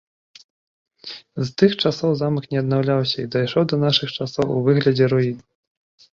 З тых часоў замак не аднаўляўся і дайшоў да нашых часоў у выглядзе руін.